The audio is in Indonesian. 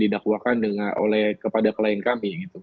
didakwakan oleh kepada klien kami